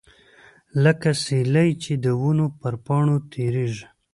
لکه سیلۍ چې د ونو پر پاڼو تیریږي.